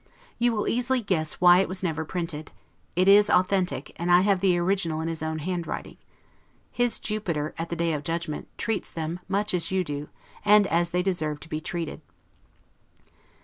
You will easily guess why it never was printed: it is authentic, and I have the original in his own handwriting. His Jupiter, at the Day of judgment, treats them much as you do, and as they deserve to be treated.